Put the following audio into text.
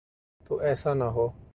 تو ایسا نہ ہو۔